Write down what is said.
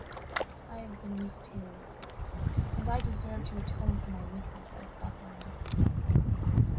I have been weak too, and I deserve to atone for my weakness by suffering.